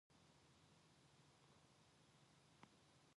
저의 뒤를 따라와서 구두끈을 끄르는 정근을 돌려다보고 눈을 흘겼다.